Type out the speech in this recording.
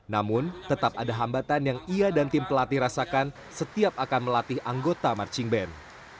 namun tetap ada hambatan yang ia dan tim pelatih rasakan setiap akan melatih anggota marching band